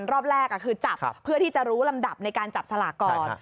รอบแรกคือจับเพื่อที่จะรู้ลำดับในการจับสลากก่อน